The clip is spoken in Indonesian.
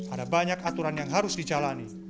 ada banyak aturan yang harus dijalani